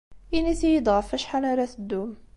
Init-iyi-d ɣef wacḥal ara teddum.